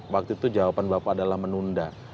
waktu itu jawaban bapak adalah menunda